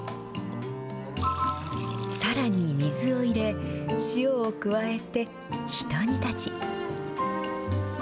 さらに水を入れ、塩を加えて、ひと煮立ち。